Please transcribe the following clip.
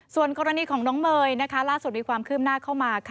ส่วนกรณีของน้องเมย์ล่าสุดมีความคืบหน้าเข้ามาค่ะ